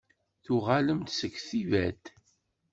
Tuɣalem-d seg Tibet?